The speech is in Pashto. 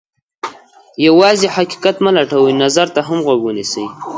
یوازې حقیقت مه لټوئ، نظر ته هم غوږ ونیسئ.